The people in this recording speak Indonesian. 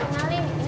kenalin ini tepatnya